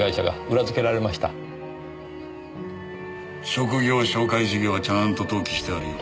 職業紹介事業はちゃんと登記してあるよ。